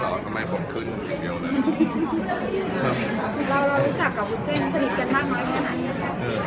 เรารู้จักแบบพุชเซซ์มีแบบซ้ายเก่งมากอยู่กันยังไง